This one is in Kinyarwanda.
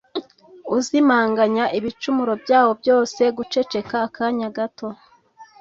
uzimanganya ibicumuro byawo byose guceceka akanya gato